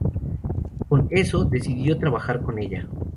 Con eso, decidió trabajar con ella.